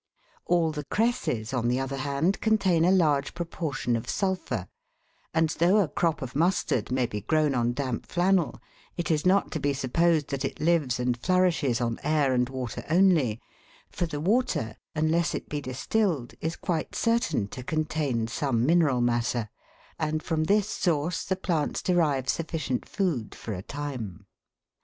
All the cresses, on the other hand, contain a large pro portion of sulphur, and though a crop of mustard may be grown upon damp flannel, it is not to be supposed that it lives and flourishes on air and water only ; for the water, unless it be distilled, is quite certain to contain some mineral matter, and from this source the plants derive suffi cient food for a time.